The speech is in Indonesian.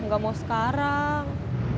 gak mau sekarang